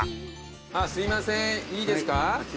あっすいませんいいですか？